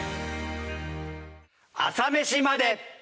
『朝メシまで。』。